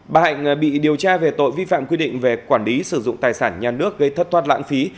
bà hạnh bị điều tra về tội vi phạm quy định về quản lý sử dụng tài sản nhà nước gây thất thoát lãng phí